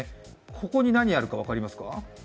ここに何があるか分かりますか。